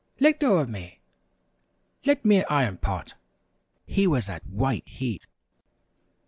"Let go of me! Let me at Iron Pot!" He was at white heat.